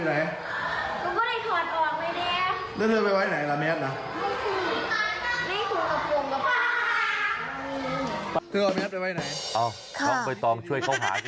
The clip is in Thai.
อ้าวช่องไปช่องช่วยเขาหาสิ